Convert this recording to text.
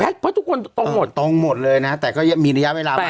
เพราะทุกคนตรงหมดตรงหมดเลยนะแต่ก็มีระยะเวลามา